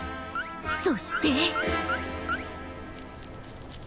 そして。